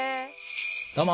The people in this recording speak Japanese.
どうも！